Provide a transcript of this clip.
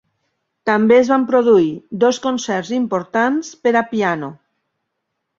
També es van produir dos concerts importants per a piano.